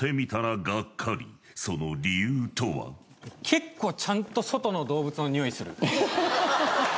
結構ちゃんと外の動物のにおいする。